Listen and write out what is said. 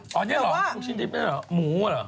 จากกระแสของละครกรุเปสันนิวาสนะฮะ